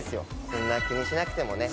そんな気にしなくてもね。